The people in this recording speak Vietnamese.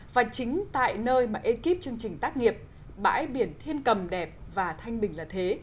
và chính tại nơi mà ekip chương trình tác nghiệp bãi biển thiên cầm đẹp và thanh bình là thế